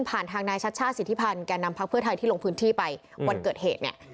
ทางนายชัชชาติสิทธิพันธ์แก่นำพักเพื่อไทยที่ลงพื้นที่ไปวันเกิดเหตุเนี่ย